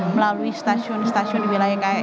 melalui stasiun stasiun di wilayah